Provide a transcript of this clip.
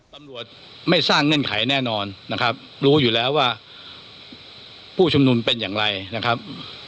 ตำรวจไม่สร้างเงื่อนไขแน่นอนนะครับรู้อยู่แล้วว่าผู้ชุมนุมเป็นอย่างไรนะครับ